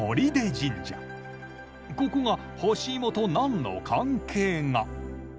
ここが干し芋と何の関係が？